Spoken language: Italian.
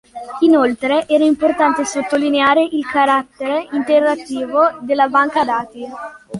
Inoltre era importante sottolineare il carattere interattivo della banca dati.